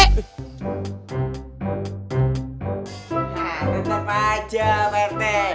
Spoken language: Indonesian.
nah tetap aja pak rete